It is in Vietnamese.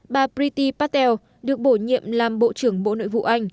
bà priti patel được bổ nhiệm làm bộ trưởng bộ nội